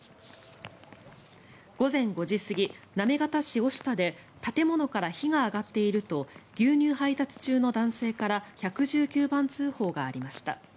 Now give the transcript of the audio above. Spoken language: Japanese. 午前５時過ぎ、行方市於下で建物から火が上がっていると牛乳配達中の男性から１１９番通報がありました。